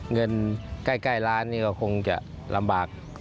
เงินใกล้ร้านนี่ก็คงจะลำบาก